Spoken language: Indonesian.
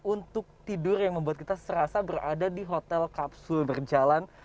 untuk tidur yang membuat kita serasa berada di hotel kapsul berjalan